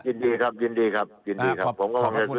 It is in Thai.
ยินดีครับยินดีครับผมกำลังจะขึ้นเครื่องไปลำปาง